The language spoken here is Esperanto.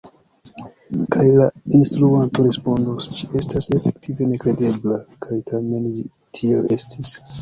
Kaj la instruanto respondos: « ĝi estas efektive nekredebla, kaj tamen ĝi tiel estis!